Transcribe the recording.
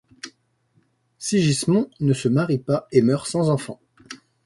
Sigismond ne se marie pas et meurt sans enfants.